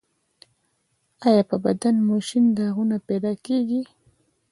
ایا په بدن مو شین داغونه پیدا کیږي؟